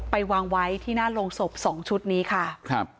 ไปวางไว้ที่หน้าโรงศพสองชุดนี้ค่ะครับ